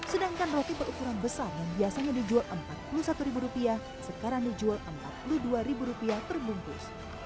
sedangkan roti berukuran besar yang biasanya dijual empat puluh satu ribu rupiah sekarang dijual empat puluh dua ribu rupiah terbungkus